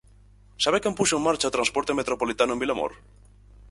¿Sabe quen puxo en marcha o transporte metropolitano en Vilamor?